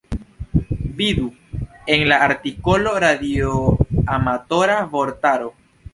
Vidu en la artikolo radioamatora vortaro.